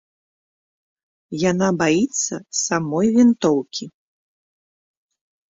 Яна баіцца самой вінтоўкі.